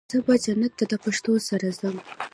زه به جنت ته د پښتو سره ځو